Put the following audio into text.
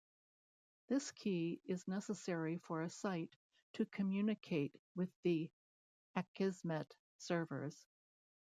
This key is necessary for a site to communicate with the Akismet servers.